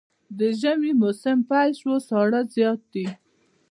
د ژمي موسم پيل شو ساړه زيات دی